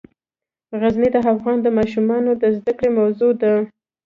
غزني د افغان ماشومانو د زده کړې موضوع ده.